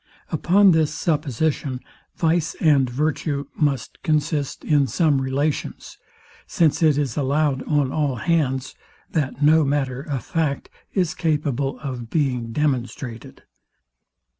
Upon this supposition vice and virtue must consist in some relations; since it is allowed on all hands, that no matter of fact is capable of being demonstrated.